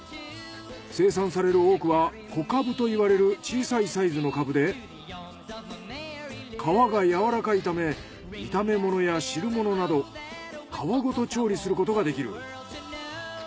生産される多くは小かぶと言われる小さいサイズのかぶで皮がやわらかいため炒め物や汁物など皮ごと調理することができる。